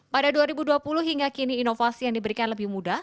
pada dua ribu dua puluh hingga kini inovasi yang diberikan lebih mudah